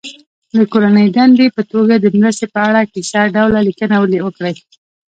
د کورنۍ دندې په توګه د مرستې په اړه کیسه ډوله لیکنه وکړي.